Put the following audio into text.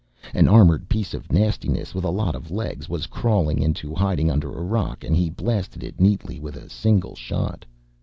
An armored piece of nastiness, with a lot of legs, was crawling into hiding under a rock and he blasted it neatly with a single shot.